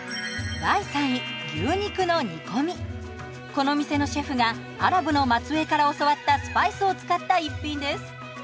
この店のシェフがアラブの末裔から教わったスパイスを使った一品です。